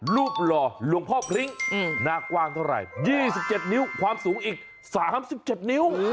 หล่อหลวงพ่อพริ้งหน้ากว้างเท่าไหร่๒๗นิ้วความสูงอีก๓๗นิ้ว